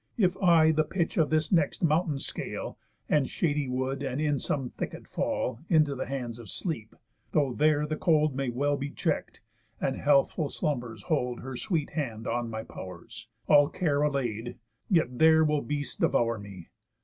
If I the pitch of this next mountain scale, And shady wood, and in some thicket fall Into the hands of Sleep, though there the cold May well be check'd, and healthful slumbers hold Her sweet hand on my pow'rs, all care allay'd, Yet there will beasts devour me.